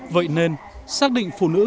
vậy nên xác định phụ nữ